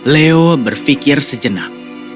leo berfikir sejenak